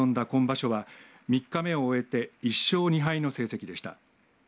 今場所は３日目を終えて１勝２敗の成績でした。